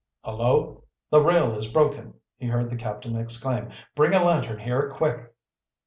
"Hullo, the rail is broken!" he heard the captain exclaim. "Bring a lantern here, quick!"